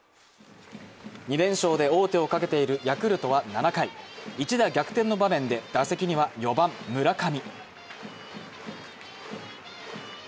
２連勝で王手をかけているヤクルトは７回一打逆転の場面で４番・村上。